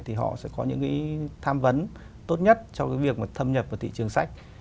thì họ sẽ có những cái tham vấn tốt nhất cho cái việc mà thâm nhập vào thị trường sách